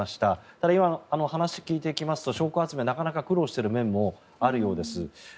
ただ、今、お話を聞いていきますと証拠集め、なかなか苦労している面もあるようです。